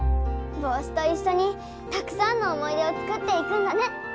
ぼうしといっしょにたくさんの思い出を作っていくんだね。